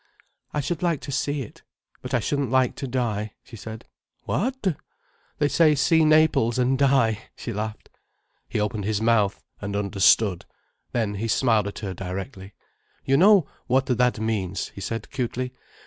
"I should like to see it. But I shouldn't like to die," she said. "What?" "They say 'See Naples and die,'" she laughed. He opened his mouth, and understood. Then he smiled at her directly. "You know what that means?" he said cutely.